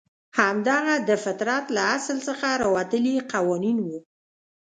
همدغه د فطرت له اصل څخه راوتلي قوانین وو.